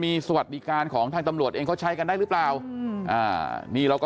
มีสวัสดิการของทางตำรวจเองเขาใช้กันได้หรือเปล่านี่เราก็